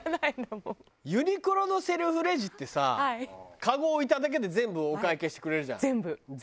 ユニクロのセルフレジってさカゴ置いただけで全部お会計してくれるじゃん。